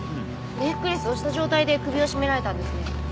ネックレスをした状態で首を絞められたんですね。